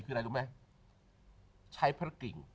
คือใช้พระกิง